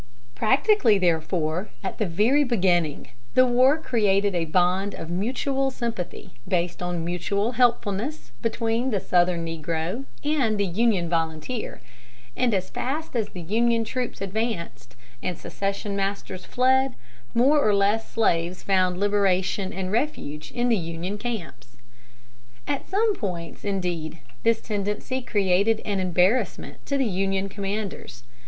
Practically, therefore, at the very beginning, the war created a bond of mutual sympathy based on mutual helpfulness, between the Southern negro and the Union volunteer; and as fast as the Union troops advanced, and secession masters fled, more or less slaves found liberation and refuge in the Union camps. At some points, indeed, this tendency created an embarrassment to Union commanders.